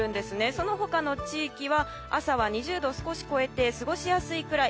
その他の地域は朝は２０度を少し超えて過ごしやすいくらい。